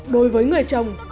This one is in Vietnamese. đối với người chồng